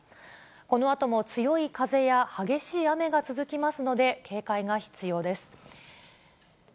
このあとも強い風や激しい雨が続きますので、警戒が必要です。